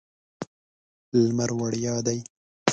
لمر وړیا دی.